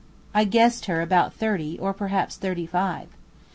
I guessed her about thirty, or perhaps thirty five.